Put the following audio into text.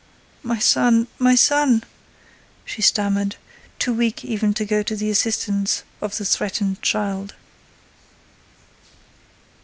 "My son—my son!" she stammered, too weak even to go to the assistance of the threatened child.